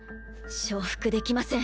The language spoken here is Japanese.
承服できません。